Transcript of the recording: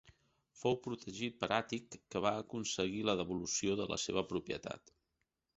Fou protegit per Àtic que va aconseguir la devolució de la seva propietat.